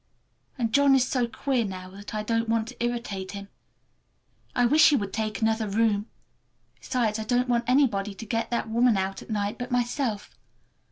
And John is so queer now, that I don't want to irritate him. I wish he would take another room! Besides, I don't want anybody to get that woman out at night but myself.